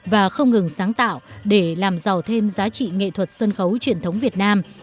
và không ngừng sáng tạo để làm giàu thêm giá trị nghệ thuật sân khấu truyền thống việt nam